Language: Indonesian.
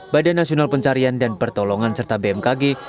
badan nasional pencarian dan pertolongan serta bmkg